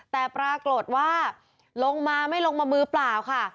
แต่ปรากฏว่าลงมาไม่ลงมามือเปล่าค่ะ